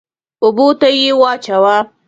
اوبو ته يې واچوه.